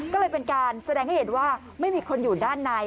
ก็เลยเป็นการแสดงให้เห็นว่าไม่มีคนอยู่ด้านใน